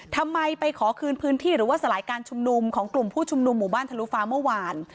ทำไมไปขอคืนพื้นที่หรือว่าสลายการชุมนุมของกลุ่มผู้ชุมนุมหมู่บ้านทะลุฟ้าเมื่อวาน